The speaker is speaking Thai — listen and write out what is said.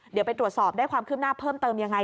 เดี๋ยวไปตรวจสอบได้ความคืบหน้าเพิ่มเติมยังไง